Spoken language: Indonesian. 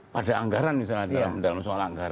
pada anggaran misalnya dalam soal anggaran